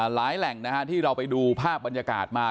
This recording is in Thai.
แหล่งที่เราไปดูภาพบรรยากาศมา